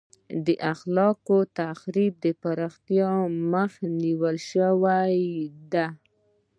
د خلاق تخریب د پراختیا مخه نیول شوې ده.